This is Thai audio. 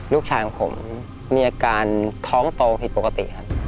ลูกชายของผมมีอาการท้องโตผิดปกติครับ